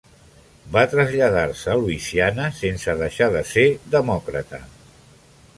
Va traslladar-se a Louisiana, sense deixar de ser demòcrata.